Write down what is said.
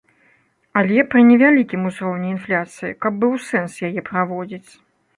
Але пры невялікім узроўні інфляцыі, каб быў сэнс яе праводзіць.